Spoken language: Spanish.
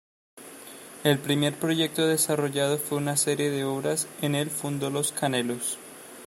El primer proyecto desarrollado fue una serie de obras en el fundo Los Canelos.